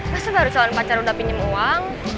masa baru calon pacar udah pinjam uang